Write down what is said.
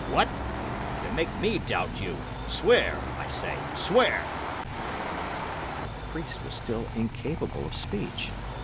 "What! Ye make me doubt you! Swear, I say; swear!" But the priest was still incapable of speech.